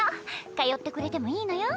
通ってくれてもいいのよ。